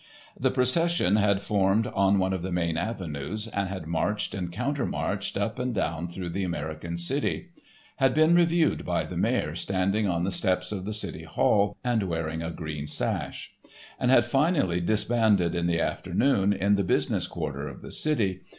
The procession had formed on one of the main avenues and had marched and countermarched up and down through the American city; had been reviewed by the mayor standing on the steps of the City Hall and wearing a green sash; and had finally disbanded in the afternoon in the business quarter of the city.